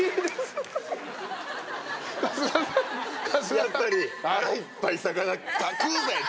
やっぱり腹いっぱい魚。